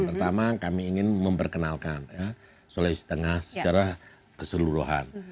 pertama kami ingin memperkenalkan sulawesi tengah secara keseluruhan